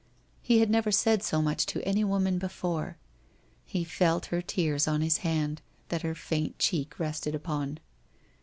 He had never said so much to any woman before. He felt her tears on his hand that her faint cheek rested upon.